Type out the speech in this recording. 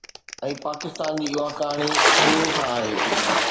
۽ پاڪستان جي اها ڪهاڻي شروع کان آهي.